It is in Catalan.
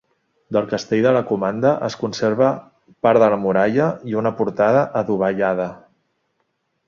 Del castell de la comanda es conserva part de la muralla i una portada adovellada.